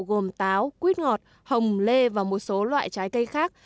gồm táo quýt ngọt hồng lê và một số loại trái cây khác